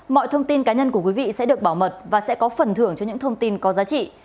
mọi thông tin cá nhân của quý vị sẽ được bảo mật và sẽ có phần thưởng cho những thông tin có giá trị